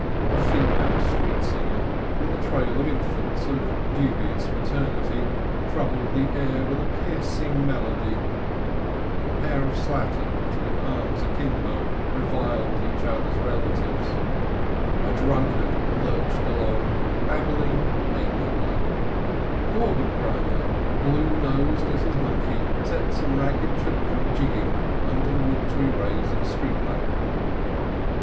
A female street singer, with a trail of infants of dubious maternity, troubled the air with a piercing melody; a pair of slatterns with arms a kimbo reviled each other's relatives; a drunkard lurched along, babbling amiably; an organ grinder, blue nosed as his monkey, set some ragged children jigging under the watery rays of a street lamp.